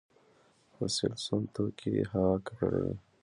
فوسیل سون توکي هوا ککړوي